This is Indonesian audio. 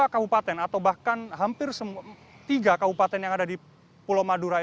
tiga kabupaten atau bahkan hampir tiga kabupaten yang ada di pulau madura ini